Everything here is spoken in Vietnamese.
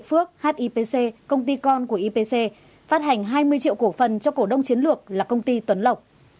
phát hành hai mươi triệu cổ phần cho cổ đông chiến lược là công ty tuấn lộc